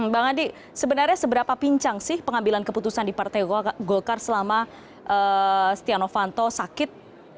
bang adi sebenarnya seberapa pincang sih pengambilan keputusan di partai golkar selama setia novanto sakit